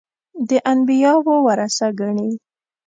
د انبیاوو ورثه ګڼي.